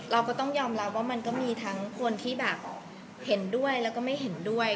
เราก็ต้องยอมรับว่ามันก็มีทั้งคนที่แบบเห็นด้วยแล้วก็ไม่เห็นด้วย